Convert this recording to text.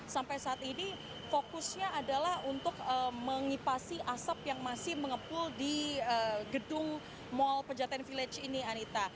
sampai saat ini fokusnya adalah untuk mengipasi asap yang masih mengepul di gedung mall pejaten village ini anita